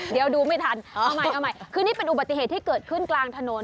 เดี๋ยวดูไม่ทันเอาใหม่เอาใหม่คือนี่เป็นอุบัติเหตุที่เกิดขึ้นกลางถนน